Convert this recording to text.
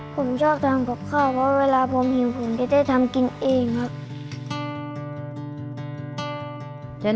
ผมชอบทำกับข้าวเพราะเวลาผมหิวผมจะได้ทำกินเองครับ